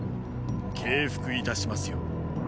敬服いたしますよ。